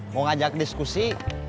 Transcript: mau ngajak diskusi